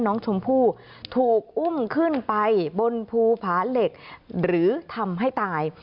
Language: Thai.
น้องชมพู่ถูกอุ้มขึ้นไปบนภูผาเหล็กหรือทำให้ตาย